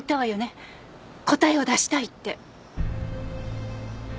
答えを出したいって。